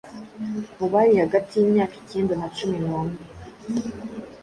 mu bari hagati y’imyaka icyenda na cumi numwe